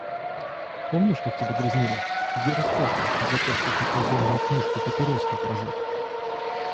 — Помнишь, как тебя дразнили? Геростратом за то, что ты казенную книжку папироской прожег.